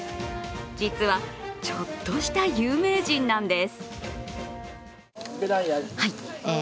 実は、ちょっとした有名人なんです。